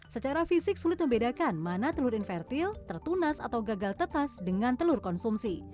secara fisik sulit membedakan mana telur invertil tertunas atau gagal tetas dengan telur konsumsi